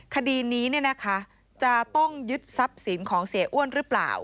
คดีนี้จะต้องยึดทรัพย์สินของเสียอ้วนหรือเปล่า